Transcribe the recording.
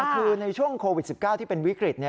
คือในช่วงโควิด๑๙ที่เป็นวิกฤต